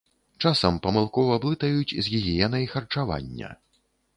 Часам памылкова блытаюць з гігіенай харчавання.